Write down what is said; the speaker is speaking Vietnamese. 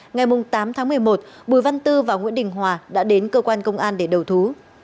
ngày tám tháng một mươi một bùi văn tư và nguyễn đình hòa đã đến cơ quan công an để đầu thú